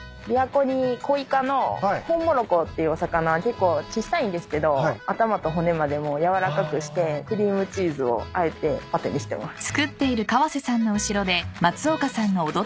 琵琶湖にコイ科のホンモロコっていうお魚結構ちっさいんですけど頭と骨までも軟らかくしてクリームチーズをあえてパテにしてます。